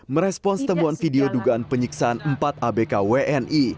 merespons temuan video dugaan penyiksaan empat abk wni